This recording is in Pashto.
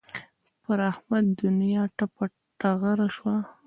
پر احمد دونیا ټپه ټغره شوه.